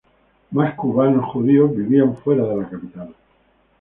Más cubanos judíos vivían fuera de la capital.